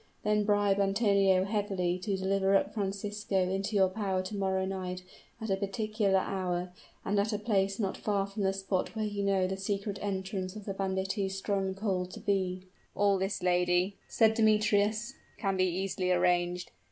Then bribe Antonio heavily to deliver up Francisco into your power to morrow night at a particular hour, and at a place not far from the spot where you know the secret entrance of the banditti's stronghold to be." "All this, lady," said Demetrius, "can be easily arranged.